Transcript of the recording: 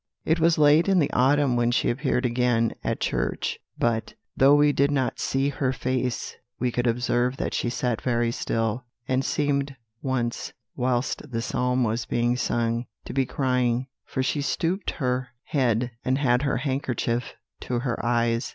"It was late in the autumn when she appeared again at church; but, though we did not see her face, we could observe that she sat very still, and seemed once, whilst the psalm was being sung, to be crying, for she stooped her head, and had her handkerchief to her eyes.